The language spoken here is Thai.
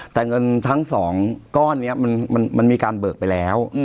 แต่เงินทั้ง๒ก้อนนี้มันมีการเบิกไปแล้ว